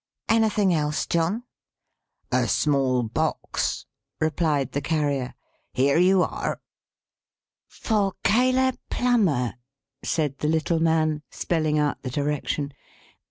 "Anything else, John?" "A small box," replied the Carrier. "Here you are!" "'For Caleb Plummer,'" said the little man, spelling out the direction.